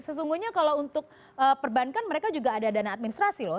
sesungguhnya kalau untuk perbankan mereka juga ada dana administrasi loh